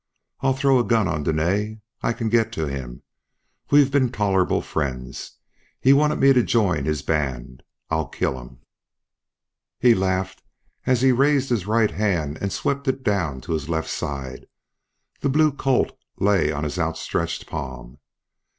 "I'll throw a gun on Dene. I can get to him. We've been tolerable friends. He's wanted me to join his band. I'll kill him." He laughed as he raised his right hand and swept it down to his left side; the blue Colt lay on his outstretched palm.